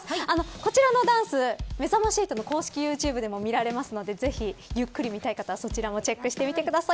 こちらダンス、めざまし８の公式ユーチューブでも見られるのでぜひ、ゆっくり見たい方はそちらもチェックしてみてください。